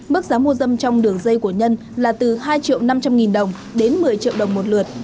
mức giá mua dâm trong đường dây của nhân là từ hai triệu năm trăm linh nghìn đồng đến một mươi triệu đồng một lượt